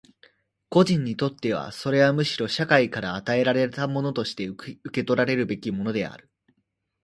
個人にとってはそれはむしろ社会から与えられたものとして受取らるべきものである。